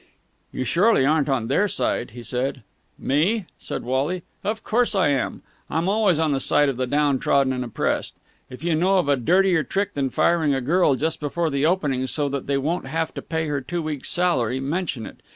"You surely aren't on their side?" he said. "Me!" said Wally. "Of course I am. I'm always on the side of the down trodden and oppressed. If you know of a dirtier trick than firing a girl just before the opening, so that they won't have to pay her two weeks' salary, mention it.